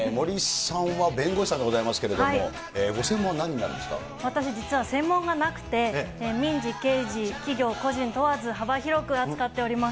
森さんは弁護士さんでございますけれど私、実は専門がなくて、民事、刑事、企業、個人問わず、幅広く扱っております。